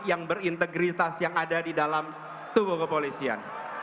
yang berintegritas yang ada di dalam tubuh kepolisian